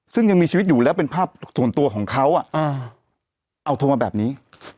ซึ่งยังมีชีวิตอยู่แล้วเป็นภาพส่วนตัวของเขาเอาโทรมาแบบนี้